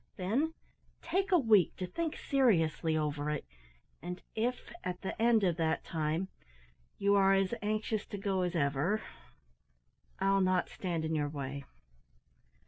Then take a week to think seriously over it; and if at the end of that time, you are as anxious to go as ever, I'll not stand in your way."